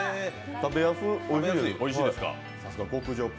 食べやすい。